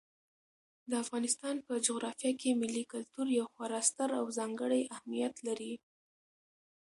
د افغانستان په جغرافیه کې ملي کلتور یو خورا ستر او ځانګړی اهمیت لري.